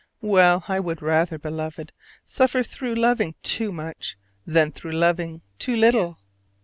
Well, I would rather, Beloved, suffer through loving too much, than through loving too little.